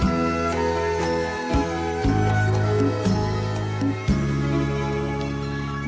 ไม่ใช้ค่ะ